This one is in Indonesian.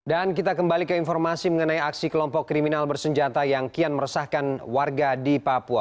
dan kita kembali ke informasi mengenai aksi kelompok kriminal bersenjata yang kian meresahkan warga di papua